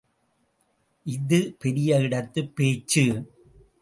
இது பெரிய இடத்துப் பேச்சு.